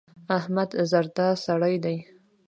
احمد زردا سړی دی.